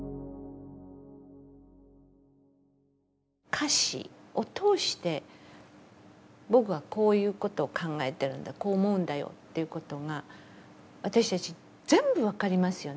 歌詞を通して僕はこういうことを考えてるんだこう思うんだよということが私たち全部分かりますよね